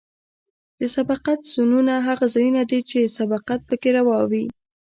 د سبقت زونونه هغه ځایونه دي چې سبقت پکې روا دی